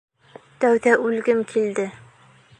Тәүҙә үлгем килде...